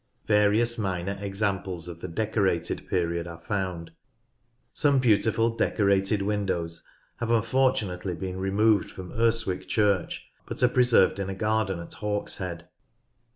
Various minor examples of the Decorated period are found. Some beautiful Decorated windows have unfortu nately been removed from Urswick Church, but are preserved in a garden at Hawkshead.